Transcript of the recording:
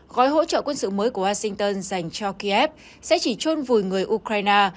gói hỗ trợ quân sự mới của washington dành cho kiev sẽ chỉ trôn vùi người ukraine